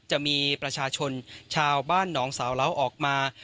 จะมีประชาชนชาวบ้านหนองสาวเล้าออกมา